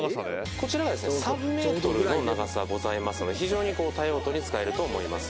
こちら３ｍの長さがございますので、非常に多用途に使えると思います。